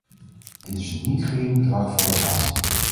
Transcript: Dit is een niet gering bedrag voor dat land.